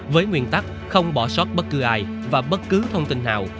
với nguyên tắc không bỏ sót bất cứ ai và bất cứ thông tin nào